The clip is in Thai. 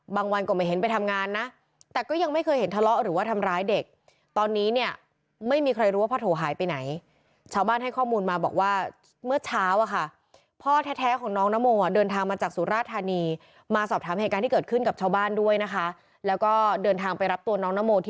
บางวันก็ไม่เห็นไปทำงานนะแต่ก็ยังไม่เคยเห็นทะเลาะหรือว่าทำร้ายเด็ก